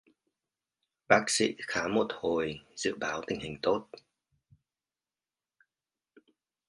Bác sĩ khám một hồi dự báo tình hình tốt